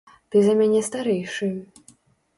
Ты за мяне старэйшы.